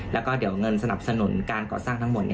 แล้วก็เดี๋ยวเงินสนับสนุนการก่อสร้างทั้งหมด